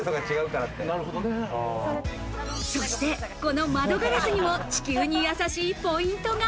そしてこの窓ガラスにも、地球にやさしいポイントが。